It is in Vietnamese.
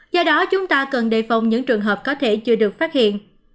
do đó chúng ta cần đề phòng những trường hợp có thể chưa được phát hiện